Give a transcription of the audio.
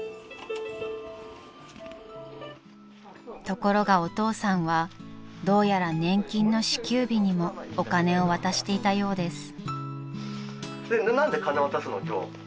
［ところがお父さんはどうやら年金の支給日にもお金を渡していたようです］